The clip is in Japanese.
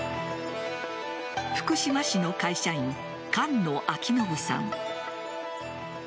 福島市の会社員、菅野晃伸さん。